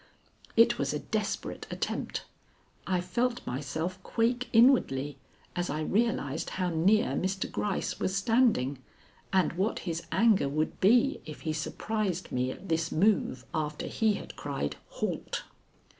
It was a desperate attempt. I felt myself quake inwardly as I realized how near Mr. Gryce was standing, and what his anger would be if he surprised me at this move after he had cried "Halt!"